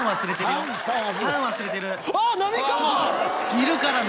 いるからね